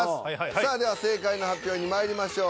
さあでは正解の発表にまいりましょう。